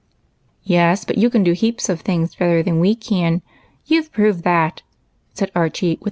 " Yes, but you can do heaps of things better than we can ; you 've proved that," said Archie, with r.